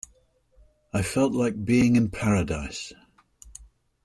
I felt like being in paradise.